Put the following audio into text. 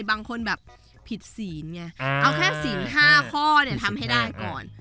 บางคนแบบผิดศีลไงเอาแค่ศีล๕ข้อเนี่ยทำให้ได้ก่อน